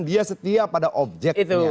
dia setia pada objeknya